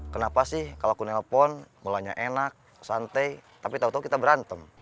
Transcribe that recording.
kenapa sih kalau aku nelpon mulanya enak santai tapi tau tau kita berantem